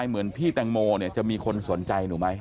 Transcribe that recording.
รู้ไหมค่ะ